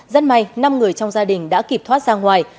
rất may năm người trong gia đình đã kịp thoát ra ngoài